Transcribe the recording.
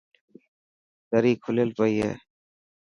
دري کليل پئي هي.